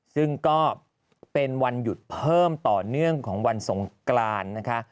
ซึ่งก็เป็นวันหยุดเพิ่มต่อเนื่องของวันสงกรานนะคะ